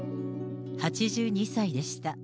８２歳でした。